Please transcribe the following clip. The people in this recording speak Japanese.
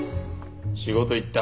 仕事行った。